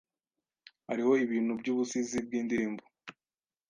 hariho ibintu byubusizi bwindirimbo,